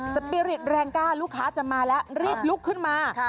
สปีริตแรงกล้าลูกค้าจะมาแล้วรีบลุกขึ้นมา